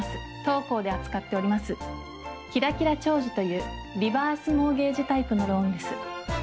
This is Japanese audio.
当行で扱っております「キラキラ長寿」というリバースモーゲージタイプのローンです。